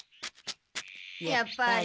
やっぱり。